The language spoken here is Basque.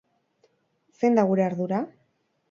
Zein da gure ardura?